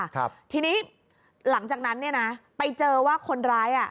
ค่ะทีนี้หลังจากนั้นไปเจอว่าคนร้าย